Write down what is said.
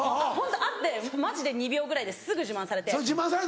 ホント会ってマジで２秒ぐらいですぐ自慢されて。